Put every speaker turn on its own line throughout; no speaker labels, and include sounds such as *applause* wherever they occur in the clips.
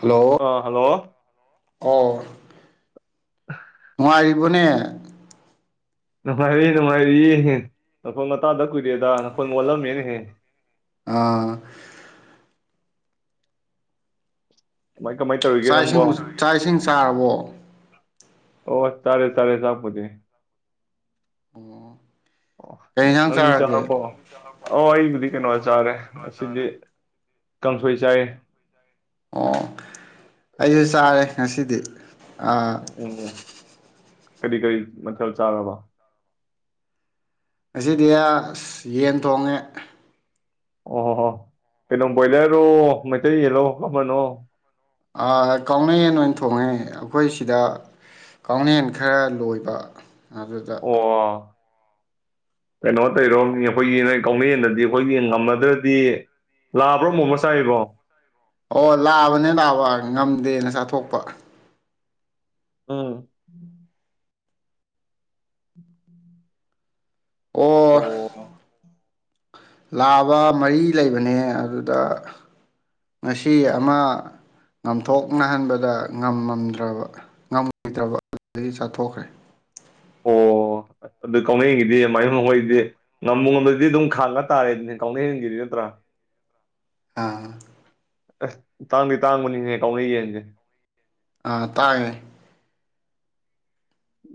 Hello
ꯑꯥ hello
ꯑꯣ
*inaudible*
ꯅꯨꯪꯉꯥꯏꯔꯤꯕꯣꯅꯦ
ꯅꯨꯪꯉꯥꯏꯔꯤ ꯅꯨꯪꯉꯥꯏꯔꯤꯌꯦ ꯅꯈꯣꯟꯒꯥ ꯇꯥꯗꯥ ꯀꯨꯏꯔꯦꯗ ꯅꯈꯣꯟꯒꯥ ꯑꯣꯜꯂꯝꯃꯦꯅꯦꯍꯦ
ꯑꯥ
ꯀꯃꯥꯏ ꯀꯃꯥꯏ ꯇꯧꯔꯤꯒꯦ
ꯆꯥꯛ
ꯅꯪꯕꯣ
ꯏꯁꯤꯪꯕꯨ ꯆꯥꯛ ꯏꯁꯤꯡ ꯆꯔꯥꯕꯣ
ꯑꯣ ꯆꯔꯦ ꯆꯔꯦ ꯆꯥꯛ ꯄꯨꯗꯤ
ꯑꯣ ꯀꯩ
*inaudible*
ꯌꯦꯟꯁꯥꯡ
ꯅꯥꯪꯗꯤ
ꯆꯥꯔꯒꯦ
ꯆꯥꯔ꯭ꯕꯣ ꯑꯧ ꯑꯩꯕꯨꯗꯤ ꯀꯩꯅꯣꯗ ꯆꯔꯦ ꯉꯥꯁꯤꯗꯤ ꯀꯪꯁꯣꯏ ꯆꯥꯏꯌꯦ
ꯑꯣ ꯑꯩꯁꯨ ꯆꯔꯦ ꯉꯁꯤꯗꯤ
*inaudible* ꯀꯔꯤ ꯀꯔꯤ ꯃꯊꯦꯜ ꯆꯔꯕꯥ
ꯉꯁꯤꯗꯤ ꯑꯥ ꯌꯦꯟ ꯊꯣꯡꯑꯦ
ꯑꯣ ꯑꯣ ꯀꯩꯅꯣ ꯕꯣꯏꯂꯔꯔꯣ ꯃꯩꯇꯩ ꯌꯦꯟꯂꯣ ꯀꯔꯝꯕꯅꯣ
ꯑꯥ ꯀꯥꯎꯅꯥ ꯌꯦꯟ ꯑꯣꯏꯅꯥ ꯊꯣꯡꯉꯦ ꯑꯩꯈꯣꯌꯁꯤꯗꯥ ꯀꯥꯎꯅꯥ ꯌꯦꯟ ꯈꯔꯥ ꯂꯣꯏꯕꯥ
ꯑꯣ ꯀꯩꯅꯣ ꯇꯩꯔꯣ ꯃꯤ ꯑꯩꯈꯣꯌꯒꯤ ꯅꯣꯏ ꯀꯥꯎꯅꯥ ꯌꯦꯟ ꯗꯥꯗꯤ ꯑꯩꯈꯣꯌꯒꯤ ꯉꯝꯅꯗꯔ꯭ꯗꯤ ꯂꯥꯕꯔꯣ ꯑꯃꯣꯝꯂꯣ ꯆꯥꯏꯑꯦꯕꯣ
ꯑꯣ ꯂꯕꯅꯦ ꯂꯥꯕꯥ ꯉꯟꯗꯦꯅ ꯆꯊꯣꯛꯄ
ꯎꯝ ꯑꯣ *inaudible*
ꯂꯕꯥ ꯃꯔꯤ ꯂꯩꯕꯅꯦ ꯑꯗꯨꯗ ꯉꯁꯤ ꯑꯃꯥ ꯉꯝꯊꯣꯛꯅꯍꯟꯕꯗꯥ ꯉꯝꯃꯝꯗꯔ꯭ꯕ ꯉꯝꯈꯤ *inaudible* ꯗꯔ꯭ꯕ ꯑꯗꯨꯗꯨꯒꯤ ꯆꯠꯊꯣꯛꯈꯔ꯭ꯦ
ꯑꯣ ꯑꯥꯗꯥ ꯀꯥꯎꯅꯥ ꯌꯦꯟꯒꯤꯗꯤ ꯃꯥꯏ *unintelligible* ꯖꯦ ꯉꯝꯕꯨ ꯉꯝꯗꯔ꯭ꯗꯤ ꯈꯪꯗ ꯇꯔꯦꯗꯨꯅꯤ ꯀꯥꯎꯅꯥ ꯌꯦꯟꯒꯤꯗꯤꯅꯠꯇꯔꯥ
ꯑꯥ
ꯇꯥꯪꯗꯤ ꯇꯥꯪꯕꯅꯤꯍꯦ ꯀꯥꯎꯅꯥ ꯌꯦꯟꯖꯦ
ꯑꯥ ꯇꯥꯏꯑꯦ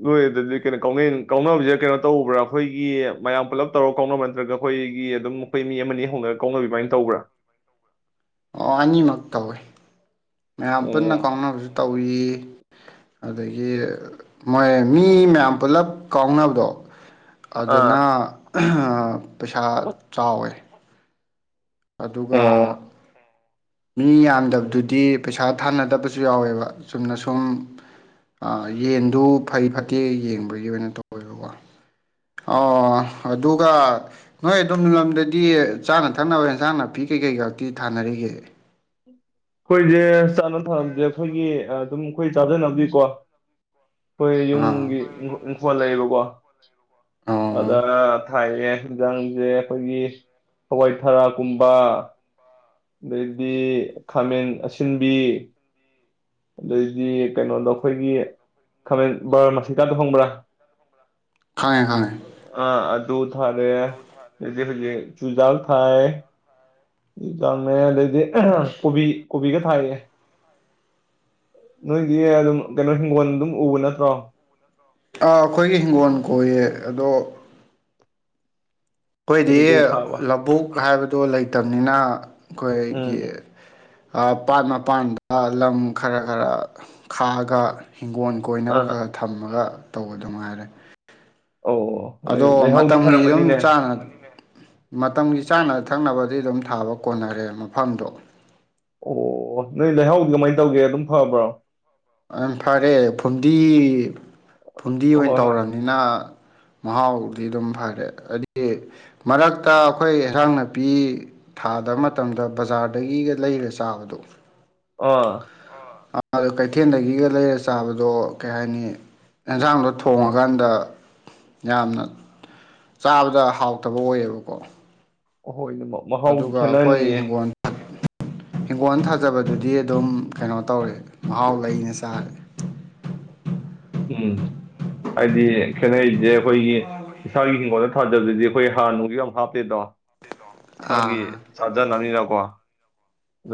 ꯅꯣꯏ ꯑꯗꯨꯗꯗꯤ ꯀꯩꯅꯣꯀꯥꯎꯅꯥ ꯌꯦꯟ ꯀꯥꯎꯅꯕꯁꯤ ꯀꯔꯤꯅꯣ ꯇꯧꯕꯔꯥ ꯑꯩꯈꯣꯌꯒꯤ ꯃꯌꯥꯝ ꯄꯨꯜꯂꯞ ꯇꯧꯔꯒꯥ ꯀꯥꯎꯅꯕ ꯅꯠꯇꯔꯒ ꯑꯩꯈꯣꯌꯒꯤ ꯑꯗꯨꯝ ꯃꯤ ꯑꯃ ꯅꯤ ꯍꯧꯅꯔꯒ ꯀꯥꯎꯕꯤ ꯑꯗꯨꯃꯥꯌ ꯇꯧꯕꯔ꯭
ꯑꯣ ꯑꯅꯤꯃꯛ ꯇꯧꯑꯦ ꯃꯌꯥꯝ ꯄꯨꯟꯅꯥ
ꯑꯣ
ꯀꯥꯎꯅꯕꯁꯨ ꯇꯧꯏ ꯑꯗꯒꯤ ꯃꯣꯏ ꯃꯤ ꯃꯌꯥꯝ ꯄꯨꯜꯂꯞ ꯀꯥꯎꯅꯕꯗꯣ
ꯑꯥ
ꯑꯗꯥꯅꯥ ꯍꯥ ꯁꯥ ꯆꯥꯎꯏ ꯑꯗꯨꯒ
ꯑꯣ
ꯃꯤꯌꯥꯝꯗꯕꯗꯨꯗꯤ ꯄꯩꯁꯥ ꯊꯥꯟꯅꯗꯕꯁꯨ ꯌꯥꯎꯑꯦꯕ ꯆꯨꯝꯅꯁꯨꯝ ꯑ ꯌꯦꯟꯗꯣ ꯐꯩ ꯐꯠꯇꯦꯌꯦꯡꯕꯒꯤ ꯑꯣꯏꯅ ꯇꯧꯕꯩ ꯋꯥꯅꯤ ꯑꯗꯨꯒ ꯅꯣꯏ ꯑꯗꯣꯝ ꯂꯝꯗꯗꯤ ꯆꯥꯅ ꯊꯛꯅꯕ ꯏꯟ ꯁꯥꯡ ꯅꯥꯄꯤ ꯀꯩ ꯀꯩꯒꯗꯤ ꯊꯥꯟꯅꯔꯤꯀꯦ
ꯑꯩꯈꯣꯏꯁꯦ ꯆꯥꯅꯕ ꯊꯥꯕꯁꯦ ꯑꯩꯈꯣꯏꯒꯤ ꯑꯗꯨꯝ ꯆꯥꯖꯅꯕꯒꯤꯀꯣ ꯑꯈꯣꯏ
ꯑꯥ
ꯌꯨꯝꯒꯤ ꯏꯪꯈꯦꯜ ꯂꯩꯌꯦꯕꯀꯣ *inaudible*
ꯑꯣ
*inaudible* ꯊꯥꯏꯌꯦ ꯏꯟꯁꯥꯡꯁꯦ ꯑꯩꯈꯣꯏꯒꯤ ꯍꯋꯥꯏ ꯊꯥꯔꯛꯀꯨꯝꯕ ꯑꯗꯩꯗꯤ ꯈꯥꯃꯦꯟ ꯑꯁꯤꯟꯕꯤ ꯑꯗꯩꯗꯤ ꯀꯩꯅꯣꯗꯣ ꯑꯩꯈꯣꯏꯒꯤ ꯈꯥꯃꯦꯟ ꯕꯥꯔꯃꯥꯁꯤꯀꯥꯗꯣ ꯈꯪꯕꯔ
ꯈꯪꯉꯦ ꯈꯪꯉꯦ
ꯑ ꯑꯗꯨ ꯊꯥꯔꯦ ꯑꯗꯩꯗꯤ ꯍꯧꯖꯤꯛ ꯆꯨꯖꯥꯛ ꯊꯥꯏ ꯆꯨꯖꯥꯛꯅꯦ ꯑꯗꯩꯗꯤ ꯀꯣꯕꯤ ꯀꯣꯕꯤꯒ ꯊꯥꯏꯌꯦ ꯅꯣꯏꯗꯤ ꯑꯗꯨꯝ ꯍꯤꯡꯒꯣꯜ ꯑꯗꯨꯝ ꯎꯕ ꯅꯠꯇꯔꯣ
ꯑ ꯑꯩꯈꯣꯏꯒꯤ ꯍꯤꯡꯒꯣꯜ ꯀꯣꯏꯌꯦ ꯑꯗꯣ ꯑꯈꯣꯏꯗꯤ
ꯀꯔꯤ ꯀꯔꯤ ꯊꯥꯕ
ꯂꯕꯨꯛ ꯍꯥꯏꯕꯗꯣ ꯂꯩꯇꯝꯅꯤꯅ ꯑꯈꯣꯏꯒꯤ
ꯎꯝ
ꯑ ꯄꯥꯠ ꯃꯥꯄꯥꯟꯗ ꯂꯝ ꯈꯔ ꯈꯔ ꯈꯥꯛꯑꯒ ꯍꯤꯡꯒꯣꯜ ꯀꯣꯏꯅꯕ
ꯑꯥ
ꯈꯔ ꯈꯔ ꯊꯝꯃꯒ ꯇꯧꯕꯗꯨ ꯉꯥꯏꯔꯦ
ꯑꯣ ꯅꯣꯏ
ꯑꯗꯣ
ꯂꯩꯍꯥꯎꯗꯤ
ꯃꯇꯝꯒꯤ ꯑꯗꯨꯝ
ꯐꯔꯝꯒꯅꯤꯅꯦ
ꯆꯥꯅ ꯃꯇꯝꯒꯤ ꯆꯥꯕ ꯊꯛꯅꯕꯗꯤ ꯑꯗꯨꯝ ꯊꯥꯕ ꯀꯣꯟꯅꯔꯦ ꯃꯐꯝꯗꯣ
ꯑꯣ ꯅꯣꯏ ꯂꯩꯍꯥꯎ ꯀꯃꯥꯏ ꯇꯧꯒꯦ ꯑꯗꯨꯝ ꯐꯥꯕꯔꯣ
ꯑꯪ ꯐꯥꯔꯦ ꯐꯨꯝꯗꯤ ꯐꯨꯝꯗꯤ ꯑꯣꯏ
ꯍꯣꯏ ꯍꯣꯏ
ꯇꯧꯔꯕꯅꯤꯅ ꯃꯍꯥꯎ ꯗꯤ ꯑꯗꯨꯝ ꯐꯔꯦ ꯍꯥꯏꯗꯤ ꯃꯔꯛꯇ ꯑꯩꯈꯣꯏ ꯏꯟꯁꯥꯡ ꯅꯥꯄꯤ ꯊꯥꯗ ꯃꯇꯝꯗ ꯕꯖꯥꯔꯗꯒꯤ ꯂꯩꯔ ꯆꯥꯕꯗꯣ
ꯑ
*unintelligible* ꯀꯩꯊꯦꯜꯗꯒꯤꯒ ꯂꯩꯔꯒ ꯆꯥꯕꯗꯣ ꯀꯩ ꯍꯥꯏꯅꯤ ꯏꯪꯁꯥꯡꯗꯣ ꯊꯣꯡꯉ ꯀꯥꯟꯗ ꯌꯥꯝꯅ ꯆꯥꯕꯗ ꯍꯥꯎꯇꯕ ꯑꯣꯏꯌꯦꯕꯀꯣ
ꯍꯣꯏ ꯃꯍꯥꯎ
ꯑꯗꯨꯒ
ꯈꯦꯠꯅ
ꯑꯩꯈꯣꯏ
ꯅꯤꯌꯦ꯫
ꯍꯤꯡꯒꯣꯜ ꯍꯤꯡꯒꯣꯜ ꯊꯥꯖꯕꯗꯨꯗꯤ ꯑꯗꯨꯝ ꯀꯩꯅꯣꯇꯧꯔꯦ ꯃꯍꯥꯎ ꯂꯩꯅ ꯆꯥꯔꯦ꯫
ꯎꯝ ꯍꯥꯏꯗꯤ ꯈꯦꯠꯅꯔꯤꯁꯦ ꯑꯈꯣꯏꯒꯤ ꯏꯁꯥꯒꯤ ꯍꯤꯡꯒꯣꯜꯗ ꯊꯥꯖꯕꯗꯨꯗꯤ ꯑꯈꯣꯏ ꯍꯥꯔ ꯅꯨꯡꯁꯨ ꯌꯥꯝ ꯍꯥꯞꯇꯦꯗꯣ ꯏꯁꯥꯒꯤ
ꯑꯥ
ꯆꯥꯖꯅꯤꯅꯀꯣ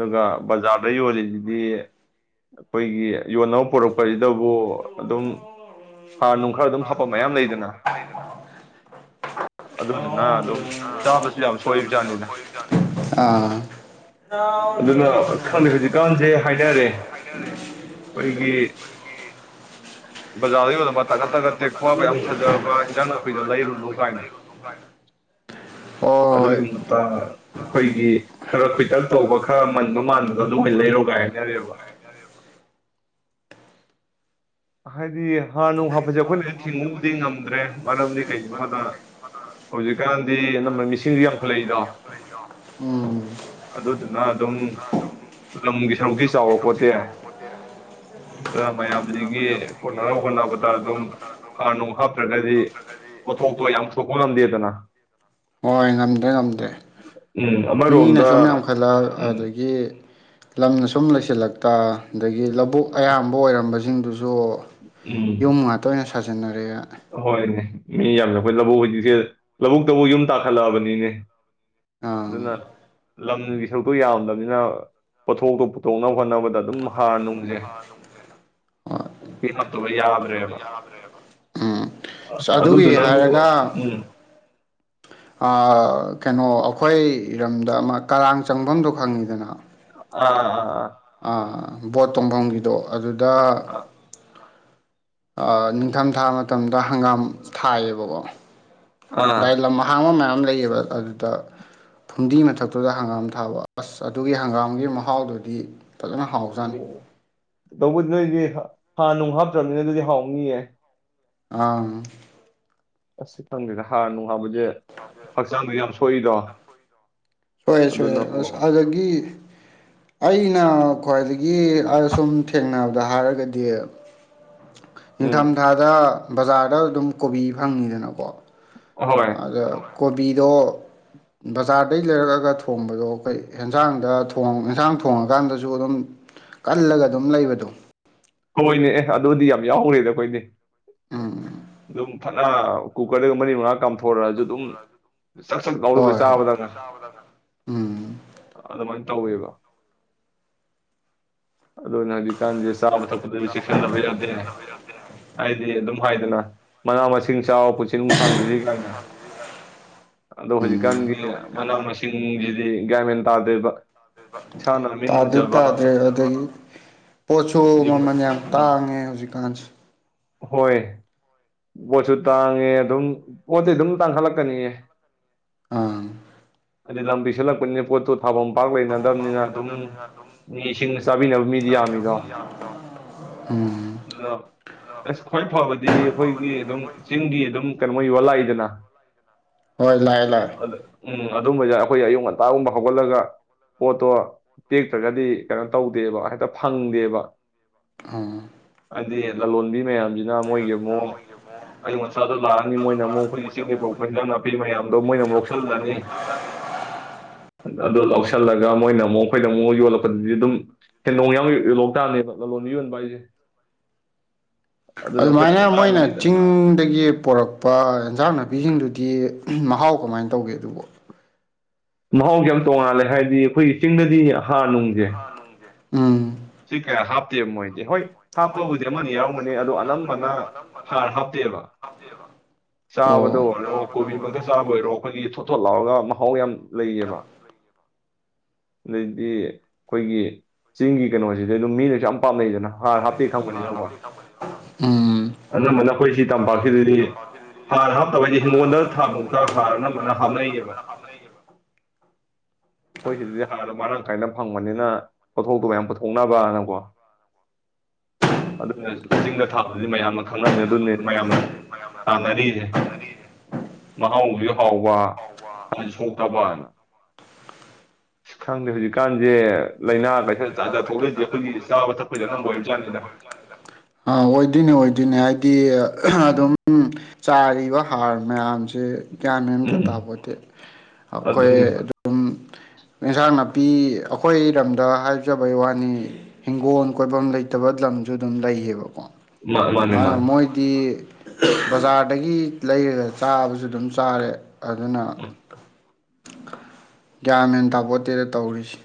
ꯎꯝ
ꯕꯖꯥꯔ ꯌꯣꯟꯂꯤꯁꯤꯗꯤ ꯑꯩꯈꯣꯏꯒꯤ ꯌꯣꯟꯅꯕ ꯄꯨꯔꯛꯄ *unintelligible* ꯑꯗꯨꯝ ꯐꯥꯟꯅꯨꯡ ꯈꯔ ꯍꯥꯞꯄꯥ ꯃꯌꯥꯝ ꯂꯩꯗꯅ ꯑꯗꯨꯗꯨꯅ ꯑꯗꯨꯝ ꯆꯕꯁꯨ ꯌꯥꯝꯅꯥ ꯁꯣꯏꯕ ꯖꯥꯠꯅꯤꯗ
ꯑꯥ
ꯑꯗꯨꯅ ꯈꯪꯗꯦ ꯍꯧꯖꯤꯛ ꯀꯥꯟꯁꯦ ꯍꯥꯏꯅꯔꯦ ꯈꯣꯏꯒꯤ *inaudible* ꯕꯖꯥꯔꯗꯒꯥ ꯌꯣꯟꯂꯝꯕ ꯇꯥꯒꯠ ꯇꯒꯠ ꯇꯦꯛꯄ ꯌꯥꯝ ꯐꯖꯕ ꯍꯦꯟꯖꯥꯡ ꯅꯥꯄꯤꯗꯣ ꯂꯩꯔꯨꯅꯨ ꯀꯥꯏꯅ ꯑꯗꯨꯏ
ꯍꯣꯏ
ꯃꯍꯨꯠꯇꯥ ꯑꯩꯈꯣꯏꯒꯤ ꯈꯔꯥ ꯈꯨꯏꯇꯛ ꯇꯧꯕꯥ ꯈꯔꯥ ꯃꯟꯕꯥ ꯃꯥꯟꯕ ꯑꯗꯨ ꯑꯣꯏꯅꯥ ꯂꯩꯔꯣ ꯀꯥꯏ ꯍꯥꯏꯅꯔꯦꯕ *inaudible* ꯍꯥꯔꯅꯨꯡ ꯍꯥꯞꯄꯗꯨꯗꯤ ꯑꯩꯈꯣꯏꯅꯥ ꯊꯤꯡ ꯉꯨꯕꯨꯗꯤ ꯉꯝꯗꯔꯦ ꯃꯔꯝꯗꯤ ꯀꯩꯒꯤꯅꯣꯗꯥ ꯍꯧꯖꯤꯛ ꯀꯥꯟꯗꯤ ꯑꯅꯝꯕꯅꯥ ꯃꯤꯁꯤꯡꯖꯤ ꯌꯥꯝꯈꯠꯂꯛ ꯏꯗꯣ
ꯎꯝ
ꯑꯗꯨꯅ ꯑꯗꯨꯝ ꯂꯝꯒꯤ ꯁꯔꯨꯛꯇꯤ ꯆꯥꯎꯔꯛꯄꯣꯠꯇꯦ ꯫ ꯀꯣꯅꯥꯅꯕ ꯍꯣꯠꯅ ꯑꯗꯨꯝ ꯍꯥꯔ ꯅꯨꯡ ꯍꯥꯞꯇ꯭ꯔꯥꯒꯗꯤ ꯄꯣꯠꯊꯣꯛꯇꯣ ꯌꯥꯝ ꯄꯨꯊꯣꯛꯄ ꯉꯝꯗꯦꯗꯅ
ꯍꯣꯏ ꯉꯝꯗ꯭ꯔꯦ ꯉꯝꯗ꯭ꯔꯦ
ꯎꯝ
ꯃꯤꯅ ꯁꯨꯝ
ꯑꯃꯔꯣꯝꯗ
ꯌꯥꯝꯈꯠꯂꯛ ꯑꯗꯒꯤ ꯑꯗꯩꯒꯤ ꯂꯥꯕꯨꯛ ꯑꯌꯥꯝꯕꯥ ꯑꯣꯏꯔꯝꯕ ꯖꯤꯡꯗꯨꯁꯨ
ꯎꯝ
ꯇꯣꯏꯅꯥ ꯁꯖꯤꯟ ꯅꯥꯔꯛ
ꯍꯣꯢꯅꯦ ꯃꯤ ꯌꯥꯝꯃꯕꯅꯤꯅꯥ ꯍꯧꯖꯤꯛꯁꯦ ꯂꯥꯕꯨꯛꯇꯕꯨ ꯌꯨꯝ ꯇꯥꯈꯠꯂꯛ ꯑꯕꯅꯤꯅꯦ
ꯑꯥ
ꯂꯝꯒꯤ ꯁꯔꯨꯛꯇꯣ ꯌꯥꯝꯗꯕꯅꯤꯅꯥ ꯄꯣꯠꯊꯣꯛꯇꯣ ꯄꯨꯊꯣꯛꯅꯕ ꯍꯣꯠꯅꯕꯗ ꯑꯗꯨꯝ ꯍꯥꯔ ꯅꯨꯡꯖꯦ ꯍꯥꯞꯇꯥꯕꯥ ꯌꯗ꯭ꯔ‌ꯦꯕꯥ
ꯌꯥꯗ꯭ꯔ‌ꯦꯕꯥ ꯎꯝ ꯁ ꯑꯗꯨꯒꯤ
ꯑꯗꯨꯗꯨꯅꯕꯨ
ꯍꯥꯏꯔꯒ
ꯎꯝ
ꯑꯥ ꯀꯩꯅ‌ꯣ ꯑꯩꯈꯣꯏꯔꯣꯝꯗ ꯑꯃꯥ ꯀꯔꯥꯡ ꯆꯪꯕꯝꯗꯣ ꯈꯪ ꯉꯤꯗꯅ
ꯑꯥ ꯑꯥ ꯑꯥ
ꯑꯥ ꯕꯣꯠ ꯇꯣꯡꯕꯝꯒꯤꯗꯣ ꯑꯥ
ꯑꯥ
ꯑꯥ ꯅꯤꯡꯊꯝꯊꯥ ꯃꯥꯇꯝꯗ ꯍꯪꯒꯥꯝ ꯊꯥꯏꯌꯦꯕꯥ ꯀꯣ
ꯑꯥ ꯑꯥ
ꯗꯥꯢ ꯂꯝ ꯑꯍꯥꯡꯕꯥ ꯃꯌꯥꯝ ꯂꯩꯌꯦꯕꯥ ꯑꯗꯨꯗ ꯐꯨꯝꯗꯤ ꯃꯊꯛꯇꯥ ꯍꯪ ꯒꯝ ꯊꯕꯥ ꯑꯁ ꯑꯗꯨꯒꯤ ꯍꯪꯒꯥꯝꯒꯤ ꯃꯍꯥꯎ ꯗꯨꯗꯤ ꯐꯖꯅꯥ ꯍꯥꯎꯖꯥꯠꯅꯤ
ꯇꯧꯕꯨꯗꯤ ꯅꯣꯏꯗꯤ ꯍꯥꯔ ꯅꯨꯡ ꯍꯥꯞꯇꯔ꯭ꯕꯅꯤꯅꯥ ꯑꯗꯨꯗꯤ ꯍꯥꯎꯅꯤꯌꯦ
ꯑꯪ
ꯑꯁ ꯈꯪꯗꯦꯗꯥ ꯍꯥꯔ ꯅꯨꯡ ꯌꯥꯎꯕꯁꯦ ꯍꯛꯆꯥꯡꯗ ꯌꯥꯝ ꯁꯣꯛ ꯢꯗꯣ ꯑꯗꯨꯅꯕꯨ
ꯑꯩꯅꯥ ꯈ꯭ꯋꯥꯏꯗꯒꯤ ꯑꯁꯨꯝ ꯊꯦꯡꯅꯕꯗ ꯍꯥꯌꯔꯥꯒꯗꯤ ꯏꯪꯊꯝ
ꯎꯝ
ꯊꯥꯗꯥ ꯕꯖꯥꯔꯗ ꯑꯗꯨꯝ ꯀꯣꯕꯤ ꯐꯪꯉꯤꯗꯅꯀꯣ
ꯍꯣꯏ
ꯑꯗ ꯀꯣꯕꯤꯗꯣ ꯕꯖꯥꯔꯗꯩ ꯂꯩꯔꯛꯑꯒ ꯊꯣꯡꯕꯗꯣ ꯀꯩꯪ ꯍꯦꯟꯖꯥꯡꯗ ꯍꯦꯟꯖꯥꯡ ꯊꯣꯡ-ꯊꯣꯡꯉꯥꯀꯥꯟꯗꯁꯨ ꯑꯗꯨꯝ ꯀꯟꯂꯒ ꯑꯗꯨꯝ ꯂꯩꯕꯗꯣ
ꯍ‌ꯣꯢꯅ‌ꯦ ꯑꯦ ꯑꯗꯨꯗꯤ ꯌꯥꯝ ꯌꯥꯎꯔꯤꯗ ꯑꯩꯈꯣꯢꯗꯤ
ꯎꯝ
ꯐꯥꯅ ꯀꯨꯀꯔꯗ ꯃꯔꯤ ꯃꯉꯥ ꯀꯥꯝꯊꯣꯔꯛꯑꯁꯨ ꯑꯗꯨꯝ ꯆꯛ-ꯆꯛ ꯂꯥꯎ ꯂꯩ
ꯍꯣꯏ ꯍꯣꯏ
ꯆꯥꯕꯗ ꯑꯗꯨꯝ
ꯎꯝ
ꯑꯗꯨꯃꯥꯏꯅ ꯇꯧꯋꯦꯕ ꯑꯗꯣꯅꯦ ꯍꯧꯖꯤꯛꯀꯥꯟꯗꯤ ꯆꯥꯕ ꯊꯛꯄ ꯑꯗꯨꯕꯨ ꯆꯦꯛꯁꯤꯟꯗꯕ ꯌꯥꯗꯦ ꯑꯩ ꯑꯗꯨꯝ ꯍꯥꯏꯗꯅ ꯃꯥꯅꯥ ꯃꯁꯤꯡ ꯆꯥꯎ ꯄꯨꯟꯁꯤ ꯅꯨꯡꯁꯥꯡꯒꯦꯗꯤ ꯒꯥꯏꯅ ꯑꯗꯣ
ꯎꯝ
ꯍꯧꯖꯤꯛꯀꯥꯟꯗꯤ ꯃꯥꯅꯥ ꯃꯁꯤꯡꯖꯤꯗꯤ ꯒ꯭ꯌꯥꯟ ꯃꯦꯟꯗ ꯇꯥꯗꯦꯕ
ꯇꯥꯗꯦꯕ
ꯏꯁꯥꯅ ꯃꯤꯠꯅ
ꯇꯥꯗꯦ-ꯇꯥꯗꯦ
ꯎꯖꯕ
ꯑꯗꯒꯤ ꯄꯣꯠꯁꯨ
ꯌꯨꯝ
ꯃꯃꯜ ꯌꯥꯝ
ꯎꯝ
ꯇꯥꯡꯉꯦ ꯍꯧꯖꯤꯛꯀꯥꯟꯁꯦ
ꯍꯣꯏ ꯕꯣꯠꯁꯨ ꯇꯥꯡꯉꯦ ꯑꯗꯨꯝ ꯄꯣꯠꯇꯤ ꯑꯗꯨꯝ ꯇꯥꯡꯁꯤꯟꯂꯛꯀꯅꯤꯌꯦ꯫
ꯑꯥ
ꯍꯥꯏꯗꯤ ꯂꯝ ꯄꯤꯁꯤꯟꯂꯛꯄꯅꯤꯅ ꯄꯣꯠꯇꯣ ꯊꯥꯕꯝ ꯄꯥꯛ ꯂꯩꯅꯗꯕꯅꯤꯅ ꯑꯗꯨꯝ ꯃꯤꯁꯤꯡ ꯆꯥꯕꯤꯅꯕ ꯃꯤꯗꯤ ꯌꯥꯝꯃꯤꯗꯣ
ꯎꯝ
ꯑꯗꯨꯗ ꯑꯁ ꯈ꯭ꯋꯥꯏ ꯐꯥꯕꯗꯤ ꯑꯩꯈꯣꯏꯒꯤ ꯑꯗꯨꯝ ꯆꯤꯡꯒꯤ ꯑꯗꯨꯝ ꯀꯩꯅꯣ ꯃꯣꯏ ꯌꯣꯜ ꯂꯥꯛꯏꯗꯅ
ꯍꯣꯏ ꯂꯥꯛꯑꯦ ꯂꯥꯛꯑꯦ
ꯑꯗ-ꯑꯗ ꯎꯝ ꯑꯗꯨꯝꯕꯌꯥꯏ ꯑꯩꯈꯣꯏ ꯑꯌꯨꯛ ꯉꯟꯇꯥꯒꯨꯝꯕ ꯍꯧꯒꯠꯂꯒ ꯄꯣꯠꯇꯣ ꯇꯦꯛꯇ꯭ꯔꯥꯒꯗꯤ ꯀꯩꯅꯣ ꯇꯧꯗꯦꯕ ꯍꯦꯛꯇ ꯐꯪꯗꯦꯕ
ꯎꯝ
ꯑꯗꯤ ꯂꯥꯂꯣꯟꯕꯤ ꯃꯥꯌꯥꯝꯖꯤꯅ ꯃꯣꯏꯒꯤ ꯃꯨꯛ ꯑꯌꯨꯛ ꯉꯟꯇꯥ ꯂꯥꯛꯑꯅꯤ ꯃꯣꯏꯅꯃꯨꯛ ꯑꯩꯈꯣꯏꯒꯤ ꯆꯤꯡꯗꯒꯤ ꯄꯨꯔꯛꯄ ꯍꯦꯟꯖꯥꯡ ꯅꯥꯄꯤ ꯃꯌꯥꯝꯗꯣ ꯃꯣꯏꯅꯃꯨꯛ ꯑꯗꯨꯂꯅꯤ ꯑꯗꯨ ꯑꯗꯣ ꯂꯧꯁꯤꯟꯂꯒ ꯃꯣꯏꯅꯃꯨꯛ ꯑꯩꯈꯣꯏꯗꯃꯨꯛ ꯌꯣꯟꯂꯛꯄꯗꯨꯗꯤ ꯑꯗꯨꯝ ꯁꯦꯟꯗꯣꯡ ꯌꯥꯎꯅ ꯌꯣꯟꯂꯛꯄ ꯇꯥꯕꯅꯦꯕ ꯂꯥꯂꯣꯟꯕꯤꯅ ꯌꯣꯟꯕ ꯍꯥꯏꯖꯦ꯫
ꯑꯗꯨꯃꯥꯏꯅ ꯃꯣꯏꯅ ꯆꯤꯡꯗꯒꯤ ꯄꯣꯔꯛꯄ ꯏꯟꯁꯥꯡ ꯅꯥꯄꯤꯁꯤꯡꯗꯨꯗꯤ ꯎꯝ ꯃꯍꯥꯎ ꯀꯃꯥꯏ ꯇꯧꯒꯦ ꯑꯗꯨꯕ‌ꯣ
ꯃꯍꯥꯎꯖꯤ ꯌꯥꯝ ꯇꯣꯉꯥꯜꯂꯦ ꯍꯥꯏꯗꯤ ꯑꯩꯈꯣꯏꯒꯤ ꯆꯤꯡꯗꯗꯤ ꯍꯥꯔ ꯅꯨꯡꯁꯦ
ꯎꯝ
ꯁꯤ ꯀꯌꯥ ꯍꯥꯞꯇꯦꯕ ꯃꯣꯏꯗꯤ ꯍꯣꯏ ꯍꯥꯞꯄꯕꯨꯗꯤ ꯑꯃ ꯑꯅꯤ ꯌꯥꯎꯔꯝꯒꯅꯤ ꯑꯗꯣ ꯑꯅꯝꯕꯅ ꯍꯥꯔ ꯍꯥꯞꯇꯦꯕ ꯆꯥꯕꯗꯣ
ꯑꯣ
ꯑꯣꯏꯔꯣ ꯀꯣꯕꯤ ꯃꯛꯇ ꯆꯥꯕꯗ ꯑꯣꯏꯔꯣ ꯑꯩꯈꯣꯏꯒꯤ ꯊꯣꯠ-ꯊꯣꯠ ꯂꯥꯎꯔꯒ ꯃꯍꯥꯎ ꯌꯥꯝ ꯂꯩꯌꯦꯕ ꯑꯗꯩꯗꯤ ꯑꯩꯈꯣꯏꯒꯤ ꯆꯤꯡꯒꯤ ꯀꯩꯅꯣꯁꯤꯗꯤ ꯑꯗꯨꯝ ꯃꯤꯅꯁꯨ ꯌꯥꯝ ꯄꯥꯝꯅꯩꯗꯅ ꯍꯥꯔ ꯍꯥꯞꯇꯦ ꯈꯪꯕꯅꯦꯅꯀꯣ
ꯎꯝ
ꯑꯅꯝꯕꯅ ꯑꯩꯈꯣꯏꯁꯤ ꯇꯝꯄꯥꯛꯁꯤꯗꯗꯤ ꯍꯥꯔ ꯍꯥꯞꯇꯕꯩꯗꯤ ꯍꯤꯡꯒꯣꯜꯗ ꯊꯥꯥꯕꯛꯇ ꯍꯥꯔ ꯑꯅꯝꯕꯅ ꯍꯥꯞꯅꯌꯦ ꯑꯩꯈꯣꯏꯁꯤꯗꯗꯤ ꯍꯥꯔ ꯃꯔꯥꯡ ꯀꯥꯏꯅ ꯐꯪꯕꯅꯦꯅ ꯄꯣꯊꯣꯛꯇꯣ ꯃꯌꯥꯝ *unintelligible* ꯑꯗꯨꯅꯤ ꯆꯤꯡꯗ ꯊꯕꯥꯗꯨꯗꯤ ꯃꯌꯥꯝꯅꯥ ꯈꯪꯅꯕꯅꯤꯅꯥ ꯑꯗꯅꯦ ꯃꯌꯥꯝꯅꯥ ꯄꯥꯝꯅꯔꯤꯁꯦ ꯃꯍꯥꯎꯁꯨ ꯍꯥꯎꯕ ꯈꯪꯗꯦ ꯍꯧꯖꯤꯀꯥꯟꯁꯦ ꯂꯩꯅ ꯂꯩ
ꯂꯩꯅꯥ ꯂꯥꯢꯆꯠ ꯖꯥꯠ ꯖꯥꯠ ꯊ‌ꯣꯛꯂꯛꯏꯁ‌ꯦ ꯑꯈ‌ꯣꯢꯒꯤ ꯆꯥꯕ ꯊꯛꯄꯗꯩ ꯑꯗꯨꯝ
ꯑꯣꯏꯕꯖꯥꯠꯅꯤꯗ
ꯑꯣꯢꯕꯖꯥꯠꯅꯤꯗ ꯑꯣꯏꯗꯨꯏꯅꯤ ꯑꯣꯏꯗꯤꯅꯤ ꯍꯥꯏꯗꯤ ꯑꯗꯨꯝ ꯆꯥꯏꯔꯤꯕ ꯍꯥꯔ ꯃꯌꯥꯝ ꯒꯤꯌꯥꯟꯃꯦꯟꯒ
ꯎꯝ
ꯇꯥꯄꯣꯟꯇꯦ ꯑꯩꯈꯣꯏ
ꯑꯗꯨꯅꯤ
ꯑꯗꯨꯝ ꯑꯦꯟꯁꯥꯡ ꯅꯥꯄꯤ ꯑꯩꯈꯣꯏ ꯔꯣꯝꯗ ꯍꯥꯏꯖꯕꯩ ꯋꯥꯅꯤ ꯏꯪꯈꯣꯜ ꯀꯣꯏꯕꯥꯝ ꯂꯩꯇꯕꯥ ꯂꯝꯁꯨ ꯗꯨꯝ ꯂꯩꯕꯥꯀꯣ
ꯃꯥ ꯃꯥꯅꯦ
ꯍꯥ
ꯃꯥꯅꯦ
ꯃꯣꯏꯗꯤ ꯕꯥꯖꯔꯗꯒꯤ ꯂꯩꯔꯒꯥ ꯆꯥꯕꯁꯨ ꯑꯗꯨꯝ ꯆꯔꯦ ꯑꯗꯨꯅꯥ ꯒꯌ꯭ꯥꯟ ꯃꯦꯟ ꯇꯥꯄꯣꯟꯇꯦꯗꯥ ꯇꯧꯔꯤꯁꯦ꯫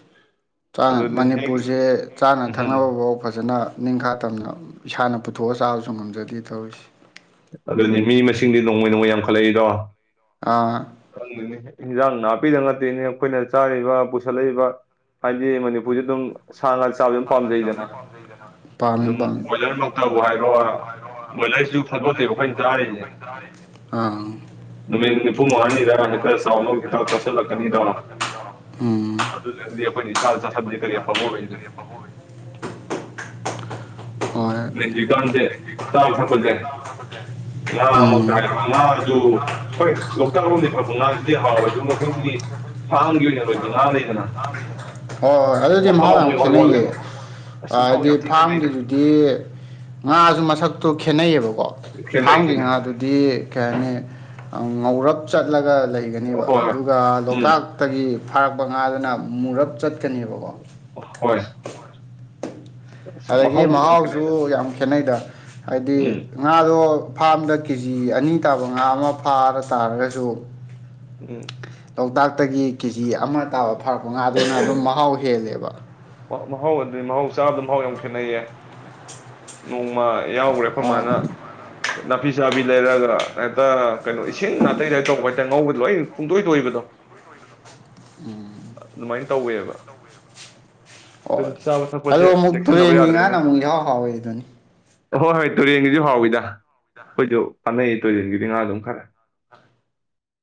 ꯑꯗꯨꯅꯤ ꯍꯦꯛ
ꯃꯅꯤꯄꯨꯔꯁꯦ ꯆꯥꯅꯥ
ꯎꯝ
ꯊꯛꯅꯕꯥꯕꯥꯎ ꯐꯖꯅꯥ ꯅꯤꯡꯈꯥ ꯇꯝꯅ ꯏꯁꯥꯅ ꯄꯨꯊꯣꯛꯑꯒꯥ ꯆꯕꯁꯨ ꯉꯝꯖꯗꯦ
ꯑꯗꯨꯅꯤ ꯃꯤ ꯃꯁꯤꯡꯅꯣꯪꯃꯥ ꯅꯣꯡꯃꯩ ꯌꯝꯈꯠꯂꯛ ꯏꯗꯣ
ꯑꯥ
*unintelligible* ꯑꯩꯈꯣꯏꯅꯥ ꯆꯥꯔꯤꯕꯥ ꯄꯨꯁꯜꯂꯛꯏꯕ ꯍꯥꯢꯗꯤ ꯃꯅꯤꯄꯨꯔꯁꯤ ꯑꯗꯨꯝ ꯁꯥ ꯉꯥ ꯆꯕꯁꯦ ꯑꯗꯨꯝ ꯄꯝꯖꯩꯗꯅ
ꯄꯥꯝꯃꯦ
ꯑꯗꯨꯝ
ꯄꯥꯝꯃꯦ
ꯕꯣꯏꯂꯔꯃꯛꯇꯕꯨ ꯍꯥꯏꯔꯣ ꯕꯣꯏꯂꯔꯁꯨ ꯅꯨꯃꯤꯠ ꯅꯤꯐꯨ ꯃꯉꯥꯅꯤꯗ ꯍꯦꯛꯇ ꯆꯥꯎꯅꯕ ꯍꯤꯗꯥꯛ ꯆꯥꯁꯤꯜꯂꯛꯀꯅꯤꯗꯣ ꯑꯗꯨꯗꯨꯅꯗꯤ ꯑꯩꯈꯣꯏꯅ ꯏꯁꯥꯗ ꯆꯥꯁꯤꯟꯕꯁꯦ ꯀꯔꯤ ꯑꯐꯕ ꯑꯣꯏꯅꯤ
*unintelligible* ꯍꯣꯏ
ꯆꯥꯕꯥ ꯊꯛꯄꯥꯁꯦ ꯉꯥꯃꯛꯇ
ꯎꯝ
ꯍꯥꯢꯔꯣ ꯉꯥꯁꯨ ꯍꯣꯏ ꯂꯣꯛꯇꯀꯂꯣꯝꯗꯩꯩ ꯄꯨꯔꯛꯄꯥ ꯉꯥꯁꯦꯗꯤ ꯍꯥꯎꯏ ꯑꯗꯨꯒꯥ ꯑꯩꯈꯣꯏꯒꯤ ꯐꯥꯔꯝꯒꯤ ꯑꯣꯏꯅꯥ ꯂꯣꯏꯕꯥ ꯉꯥ ꯂꯩꯗꯅ ꯏꯋꯥꯠ
ꯈꯦꯠꯅꯩ
ꯋꯥꯠꯂꯦꯕ ꯑꯁ ꯃꯍꯥꯎ
ꯑꯥꯗꯤ
ꯌꯥꯝ ꯊꯤ ꯈꯦꯠꯅꯩꯗ
ꯐꯔꯥꯝꯒꯤꯗꯨꯗꯤ ꯗꯤ ꯉꯥꯁꯨ ꯃꯁꯛꯇꯣ ꯈꯦꯠꯅꯩꯕꯥ ꯀꫭ
ꯈꯦꯠꯅꯩ
ꯐꯥꯔꯝꯒꯤ
ꯈꯦꯠꯅꯩ
ꯉꯥꯗꯨꯗꯤ ꯀꯩꯍꯥꯏꯅꯤ ꯉꯧꯔꯞ ꯆꯠꯂꯒꯥ ꯂꯩꯒꯅꯤꯕꯥ
ꯍꯣꯏ ꯍꯣꯏ
ꯑꯗꯨꯒꯥ
ꯎꯝ
ꯂꯣꯛꯇꯥꯛꯇꯒꯤ ꯐꯥꯔꯛꯄ ꯉꯥꯗꯨꯅ ꯃꯨꯔꯞ ꯆꯠꯀꯅꯤꯕꯥ
ꯍꯣꯢ
ꯑꯗꯥꯒꯤ ꯃꯍꯥꯎꯁꯨ ꯌꯥꯝ ꯈꯦꯠꯅꯩꯗ ꯍꯥꯏꯗꯤ
ꯎꯝ
ꯉꯥꯗꫭ ꯐꯥꯔꯝꯗꯥ ꯀꯦꯒꯤ ꯑꯅꯤ ꯇꯥꯕꯥ ꯉꯥ ꯑꯃꯥ ꯐꯥꯔꯥ ꯇꯔꯒꯥꯁꯨ
ꯎꯝ
ꯂꯣꯛꯇꯥꯛꯇꯒꯤ ꯀꯦꯖꯤ ꯑꯃꯥ ꯇꯥꯕꯥ ꯐꯔꯛꯄꯥ ꯉꯥꯗꯨꯅꯥ ꯑꯗꯨꯝ ꯃꯍꯥꯎ ꯍꯦꯜꯂꯤꯕꯥ
ꯃꯍꯥꯎ ꯋ꯭ꯗꯤ ꯃꯍꯥꯎ ꯆꯥꯕꯗ ꯃꯍꯥꯎ ꯌꯥꯝ ꯈꯦꯠꯅꯩ ꯅꯣꯡ ꯃꯥ ꯌꯥꯎꯒꯔꯦ ꯑꯩꯈꯣꯏ
ꯑꯥ
ꯃꯥꯅꯥ ꯅꯥꯄꯤ ꯆꯕꯤ ꯂꯩꯔꯛꯑꯒ ꯍꯦꯛꯇꯥ ꯀꯩꯅꯣ ꯏꯁꯤꯡ ꯉꯥꯛꯇꯩ ꯇꯥꯏꯄꯇꯥ ꯇꯧꯕꯥ ꯍꯥꯏ ꯇꯥꯔꯦ ꯉꯧꯕꯗꯥ ꯂꯣꯏ ꯄꯨꯡꯇꯣꯏ ꯇꯣꯏꯕꯗꯣ ꯑꯗꯨꯃꯥꯏꯅ
ꯎꯟ
ꯇꯧꯋꯦꯕ
ꯍꯣꯌ
ꯑꯗꯨꯅ ꯆꯥꯕ
ꯑꯗꯨ
ꯊꯛꯄꯁꯦ
ꯑꯃꯨꯛ
ꯆꯦꯛꯁꯤꯟꯅꯕ
ꯇꯨꯔꯦꯟꯒꯤ ꯉꯟ ꯑꯃꯨꯛ ꯑꯦꯖꯥꯑꯣ ꯍꯥꯏ ꯍꯥꯌꯗꯨꯅꯤ
ꯍꯣ ꯍꯣꯌ ꯇꯨꯔꯦꯪꯏꯁꯨ ꯍꯥꯏꯗ
*inaudible*
ꯐꯥꯅꯩ ꯇꯨꯔꯦꯜꯒꯤꯗꯤ ꯉꯥ ꯑꯗꯨꯝ ꯈꯔꯥ